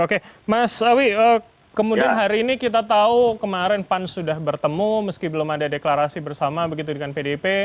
oke mas sawi kemudian hari ini kita tahu kemarin pan sudah bertemu meski belum ada deklarasi bersama begitu dengan pdip